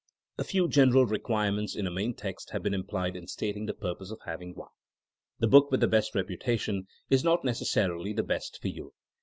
A few general requirements in a main text have been implied in stating the purpose of hav ing one. The book with the best reputation is not necessarily the best for you.